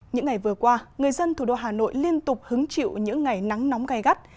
những ngày vừa qua người dân thủ đô hà nội liên tục hứng chịu những ngày nắng nóng gai gắt